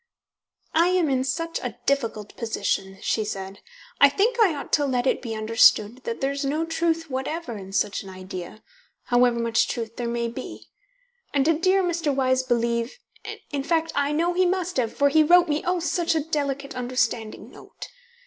"I am in such a difficult position," she said. "I think I ought to let it be understood that there is no truth whatever in such an idea, however much truth there may be. And did dear Mr. Wyse believe in fact, I know he must have, for he wrote me, oh, such a delicate, understanding note.